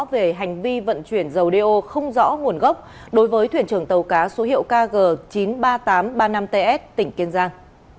về hành vi vận chuyển dầu đeo không rõ nguồn gốc đối với thuyền trưởng tàu cá số hiệu kg chín mươi ba nghìn tám trăm ba mươi năm ts tỉnh kiên giang